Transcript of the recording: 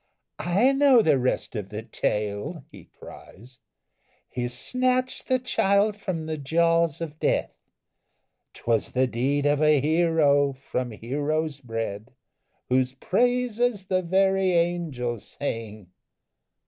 "I know the rest of the tale," he cries; "He snatched the child from the jaws of death! 'Twas the deed of a hero, from heroes bred, Whose praises the very angels sing!"